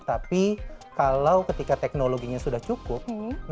tapi kalau ketika teknologinya sudah cukup